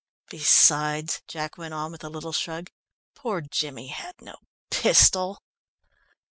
"Besides," Jack went on, with a little shrug, "poor Jimmy had no pistol."